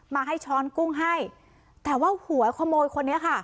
มาให้ช้อนกุ้งให้แต่ว่าหัวขโมยคนนี้ค่ะ